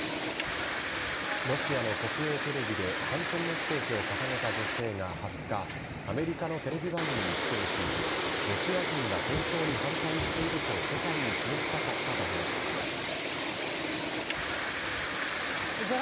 ロシアの国営テレビで、反戦メッセージを掲げた女性が２０日、アメリカのテレビ番組に出演し、ロシア人が戦争に反対していると世界に示したかったと話しました。